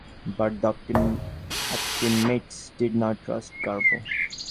But the optimates did not trust Carbo.